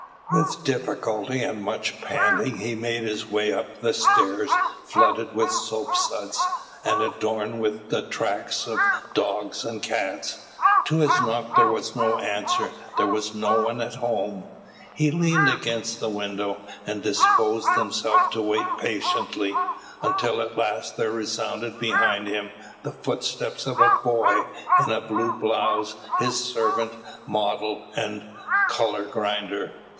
With difficulty and much panting he made his way up the stairs flooded with soap suds, and adorned with the tracks of dogs and cats. To his knock there was no answer: there was no one at home. He leaned against the window, and disposed himself to wait patiently, until at last there resounded behind him the footsteps of a boy in a blue blouse, his servant, model, and colour grinder.